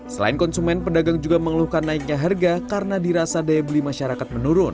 selain konsumen pedagang juga mengeluhkan naiknya harga karena dirasa daya beli masyarakat menurun